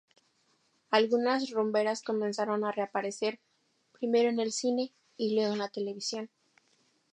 Algunas rumberas comenzaron a reaparecer, primero en el cine, y luego en la televisión.